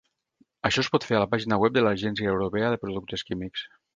Això es pot fer a la pàgina web de l'Agència Europea de Productes Químics.